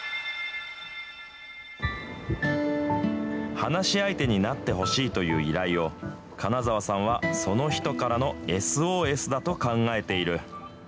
話し相手になってほしいという依頼を、金澤さんはその人からのＳＯＳだと考えている。